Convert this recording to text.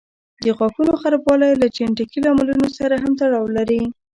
د غاښونو خرابوالی له جینيټیکي لاملونو سره هم تړاو لري.